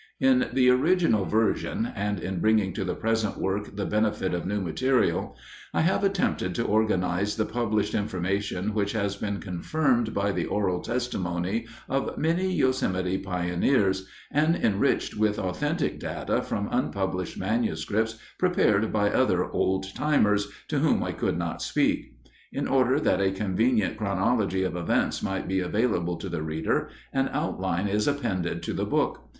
_ _In the original version, and in bringing to the present work the benefit of new material, I have attempted to organize the published information which has been confirmed by the oral testimony of many Yosemite pioneers and enriched with authentic data from unpublished manuscripts prepared by other "old timers" to whom I could not speak. In order that a convenient chronology of events might be available to the reader, an outline is appended to the book.